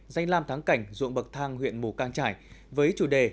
danh lam thắng cảnh ruộng bậc thang huyện mù căng trải với chủ đề